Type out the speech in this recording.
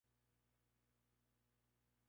Es un fanático del fútbol e hincha del Palestino.